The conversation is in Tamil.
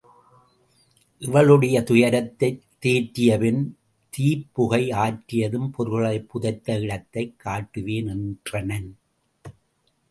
இவளுடைய துயரத்தைத் தேற்றிய பின், தீப்புகை ஆறியதும் பொருள்களைப் புதைத்த இடத்தைக் காட்டுவேன் என்றனன்.